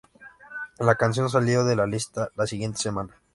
La canción salió de la lista la siguiente semana.